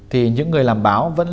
thì những người làm báo